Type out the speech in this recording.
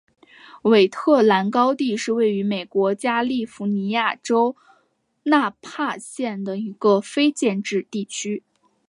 韦特兰高地是位于美国加利福尼亚州纳帕县的一个非建制地区。